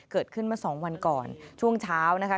เกิดขึ้นเมื่อสองวันก่อนช่วงเช้านะคะ